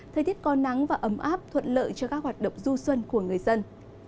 thời tiết có nắng và ấm áp thuận lợi cho các hoạt động du xuân của người dân